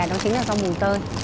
đó chính là rau mùng tơi